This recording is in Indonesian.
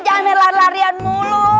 jangan main lari larian mulu